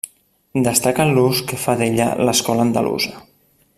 Destaca l'ús que fa d'ella l'Escola Andalusa.